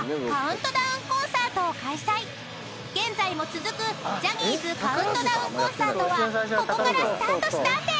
［現在も続くジャニーズカウントダウンコンサートはここからスタートしたんです］